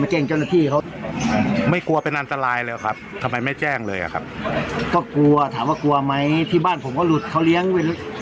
ตอนนี้เมื่อเราหาเต็มที่ตัวเดียว